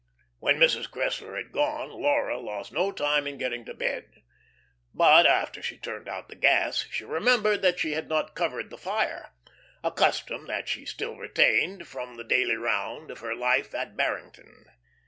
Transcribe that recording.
When Mrs. Cressler had gone Laura lost no time in getting to bed. But after she turned out the gas she remembered that she had not "covered" the fire, a custom that she still retained from the daily round of her life at Barrington.